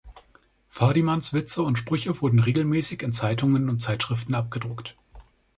Fadimans Witze und Sprüche wurden regelmäßig in Zeitungen und Zeitschriften abgedruckt.